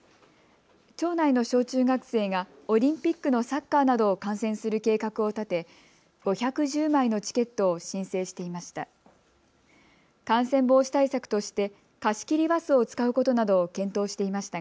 町内の小中学生がオリンピックのサッカーなどを観戦する計画を立て５１０枚のチケットを申請していました。